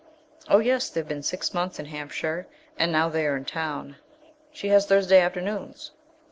"Oh yes. They've been six months in Hampshire, and now they are in town. She has Thursday afternoons."